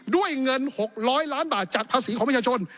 ด้วยเงิน๖๐๐ล้านบาทจากภาษีของประชาชน